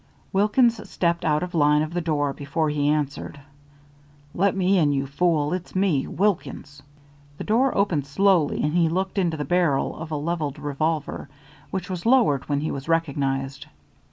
Wilkins stepped out of line of the door before he answered: "Let me in, you fool. It's me, Wilkins." The door opened slowly and he looked into the barrel of a levelled revolver, which was lowered when he was recognized.